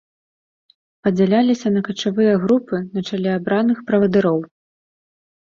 Падзяляліся на качавыя групы на чале абраных правадыроў.